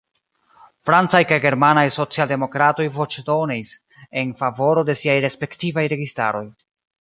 Francaj kaj germanaj socialdemokratoj voĉdonis en favoro de siaj respektivaj registaroj.